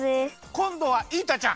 こんどはイータちゃん！